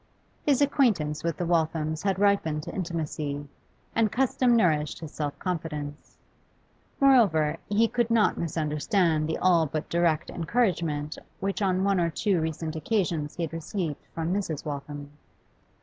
His acquaintance with the Walthams had ripened to intimacy, and custom nourished his self confidence; moreover, he could not misunderstand the all but direct encouragement which on one or two recent occasions he had received from Mrs. Waltham.